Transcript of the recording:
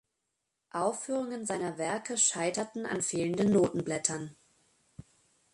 Aufführungen seiner Werke scheiterten an fehlenden Notenblättern.